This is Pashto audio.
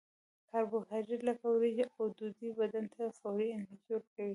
کاربوهایدریت لکه وریجې او ډوډۍ بدن ته فوري انرژي ورکوي